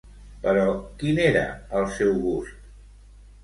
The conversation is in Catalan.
Però quin era el seu gust?